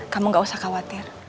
kamu gak usah khawatir